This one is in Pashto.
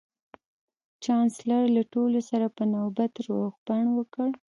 چانسلر له ټولو سره په نوبت روغبړ وکړ